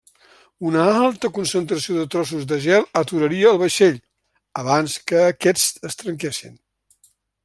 Una alta concentració de trossos de gel aturaria el vaixell, abans que aquests es trenquessin.